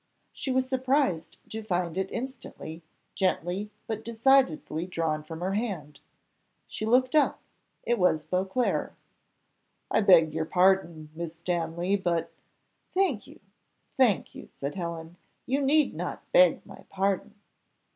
She was surprised to find it instantly, gently, but decidedly drawn from her hand: she looked up it was Beauclerc. "I beg your pardon, Miss Stanley, but " "Thank you! thank you!" said Helen; "you need not beg my pardon."